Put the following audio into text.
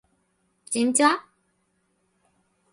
ちんちゃ？